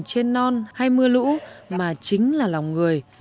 trên non hay mưa lũ mà chính là lòng người